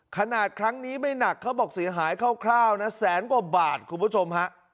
ขนาดนี้ไม่หนักเขาบอกเสียหายคร่าวนะแสนกว่าบาทคุณผู้ชมฮะ